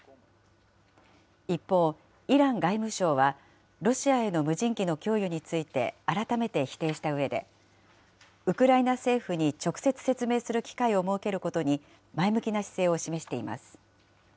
一方、イラン外務省は、ロシアへの無人機の供与について、改めて否定したうえで、ウクライナ政府に直接説明する機会を設けることに、前向きな姿勢を示しています。